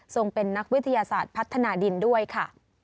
เป็นนักวิทยาศาสตร์พัฒนาดินด้วยค่ะ